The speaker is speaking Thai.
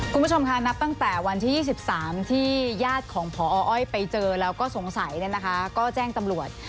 คุณผู้ชมค่ะนับตั้งแต่วันที่๒๓ที่ญาติของพออ้อยไปเจอแล้วก็สงสัยเนี่ยนะคะก็แจ้งตำรวจ